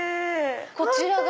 こちらが。